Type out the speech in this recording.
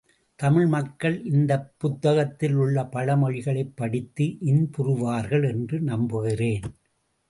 தமிழ் மக்கள் இந்தப் புத்தகத்தில் உள்ள பழமொழிகளைப் படித்து இன்புறுவார்கள் என்று நம்புகிறேன்.